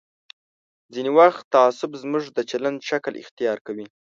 ځینې وخت تعصب زموږ د چلند شکل اختیار کوي.